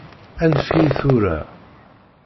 Anef-iyi tura!